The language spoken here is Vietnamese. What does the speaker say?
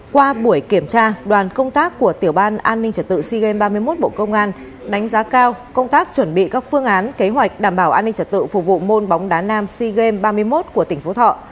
qua buổi kiểm tra đoàn công tác của tiểu ban an ninh trật tự sea games ba mươi một bộ công an đánh giá cao công tác chuẩn bị các phương án kế hoạch đảm bảo an ninh trật tự phục vụ môn bóng đá nam sea games ba mươi một của tỉnh phú thọ